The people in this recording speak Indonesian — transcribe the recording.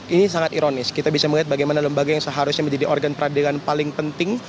ini sangat ironis kita bisa melihat bagaimana lembaga yang seharusnya menjadi organ peradilan paling penting